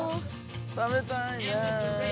食べたいね。